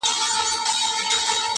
مېږي خور که شرمښکۍ ده که مرغان دي٫